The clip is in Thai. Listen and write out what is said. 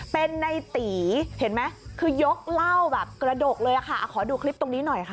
เป็นในตีเห็นไหมคือยกเหล้าแบบกระดกเลยค่ะขอดูคลิปตรงนี้หน่อยค่ะ